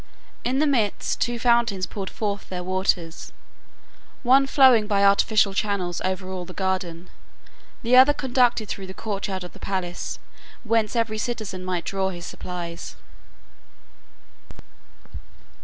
In the midst two fountains poured forth their waters, one flowing by artificial channels over all the garden, the other conducted through the courtyard of the palace, whence every citizen might draw his supplies.